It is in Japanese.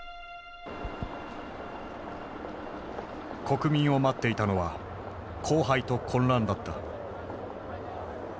国民を待っていたのは荒廃と混乱だった。